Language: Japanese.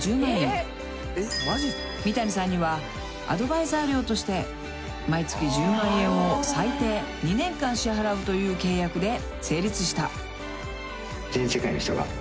［美谷さんにはアドバイザー料として毎月１０万円を最低２年間支払うという契約で成立した］